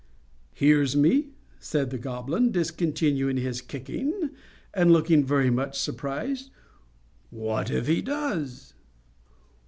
"Hears me!" said the Goblin, discontinuing his kicking and looking very much surprised. "What if he does?"